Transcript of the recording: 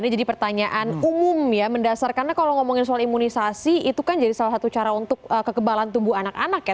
ini jadi pertanyaan umum ya mendasar karena kalau ngomongin soal imunisasi itu kan jadi salah satu cara untuk kekebalan tubuh anak anak ya